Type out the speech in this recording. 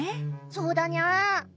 そうだにゃ。